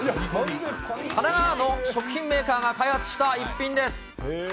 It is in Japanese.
神奈川の食品メーカーが開発した逸品です。